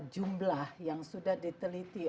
jumlah yang sudah diteliti